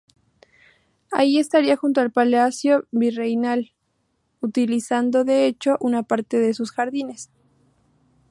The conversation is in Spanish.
Allí estaría junto al Palacio Virreinal, utilizando, de hecho, una parte de sus jardines.